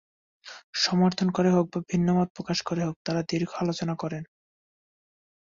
সমর্থন করে হোক বা ভিন্নমত প্রকাশ করে হোক তাঁরা দীর্ঘ আলোচনা করেন।